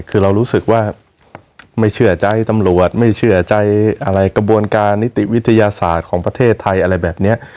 คือเรารู้สึกว่าไม่เชื่อใจตำรวจไม่เชื่อใจอะไรกระบวนการนิติวิทยาศาสตร์ของประเทศไทยอะไรแบบนี้